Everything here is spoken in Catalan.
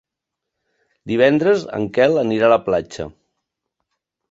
Divendres en Quel anirà a la platja.